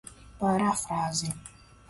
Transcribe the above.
paráfrase